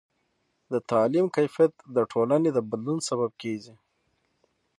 د تعلیم کیفیت د ټولنې د بدلون سبب کېږي.